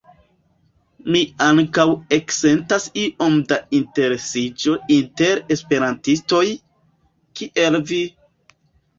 Mi ankaŭ eksentas iom da interesiĝo inter esperantistoj, kiel vi!